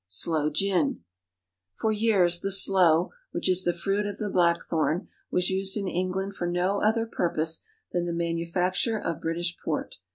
Sloe Gin. For years the sloe, which is the fruit of the black thorn, was used in England for no other purpose than the manufacture of British Port.